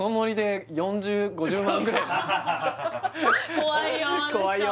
怖いよ